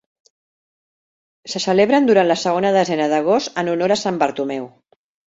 Se celebren durant la segona desena d'agost en honor a Sant Bartomeu.